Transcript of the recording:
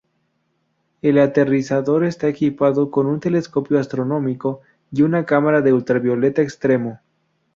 El aterrizador está equipado con un telescopio astronómico y una cámara de ultravioleta extremo.